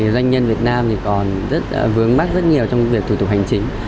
hiện tại doanh nhân việt nam còn vướng mắt rất nhiều trong việc thủ tục hành chính